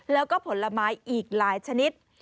แล้วก็ผลไม้อีกหลายชนิด